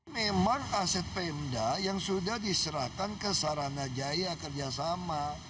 memang aset pmda yang sudah diserahkan ke saranajaya kerjasama